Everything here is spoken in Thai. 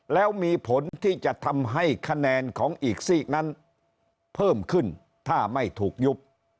แล้วมีผลที่จะทำให้คะแนนของอีกซีกนั้นเพิ่มขึ้นถ้าไม่ถูกยุบ